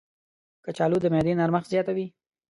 کچالو د معدې نرمښت زیاتوي.